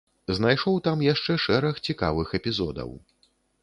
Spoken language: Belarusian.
Знайшоў там яшчэ шэраг цікавых эпізодаў.